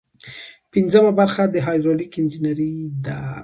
پنځمه برخه د هایدرولیک انجنیری ده.